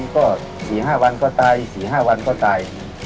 ก็๔๕วันก็ตาย๔๕วันก็ตาย